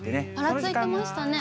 ぱらついてましたね。